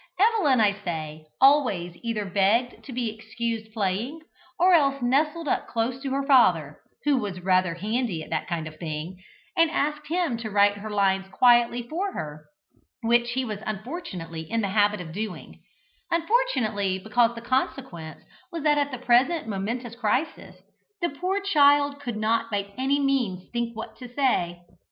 Evelyn, I say, always either begged to be excused playing, or else nestled up close to her father (who was rather handy at that kind of thing), and asked him to write her lines quietly for her, which he unfortunately was in the habit of doing unfortunately, because the consequence was that at the present momentous crisis, the poor child could not by any means think what to say.